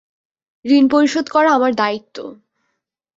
ঋণ পরিশোধ করা আমার দায়িত্ব।